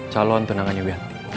calon tunangannya wianti